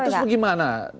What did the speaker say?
loh terus bagaimana